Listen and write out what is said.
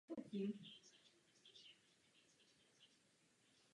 Jedná se o klíčovou spojnici mezi oběma zeměmi.